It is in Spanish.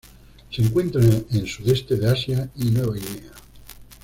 Se encuentra en sudeste de Asia y Nueva Guinea.